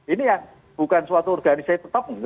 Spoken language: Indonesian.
ini yang bukan suatu organisasi tetap